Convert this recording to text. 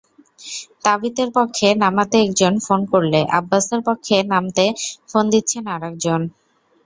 তাবিথের পক্ষে নামাতে একজন ফোন করলে, আব্বাসের পক্ষে নামতে ফোন দিচ্ছেন আরেকজন।